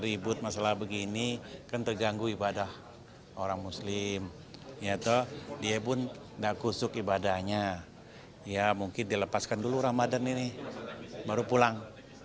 ibadahnya ya mungkin dilepaskan dulu ramadan ini baru pulang